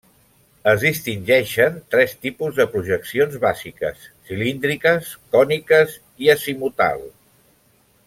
Es distingeixen tres tipus de projeccions bàsiques: cilíndriques, còniques i azimutal.